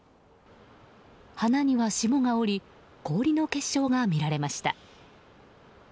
花には霜が降り氷の結晶が見られました。